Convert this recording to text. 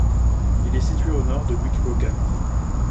Il est situé au nord de Wicklow Gap.